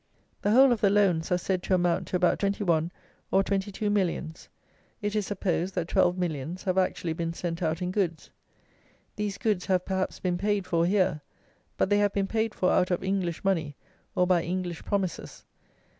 The whole of the loans are said to amount to about twenty one or twenty two millions. It is supposed, that twelve millions have actually been sent out in goods. These goods have perhaps been paid for here, but they have been paid for out of English money or by English promises.